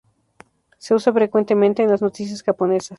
Se usa frecuentemente en las noticias japonesas.